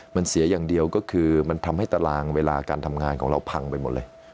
มันเสียอย่างเดียวก็คือมันทำให้ตารางเวลาการทำงานของเราพังไปหมดเลย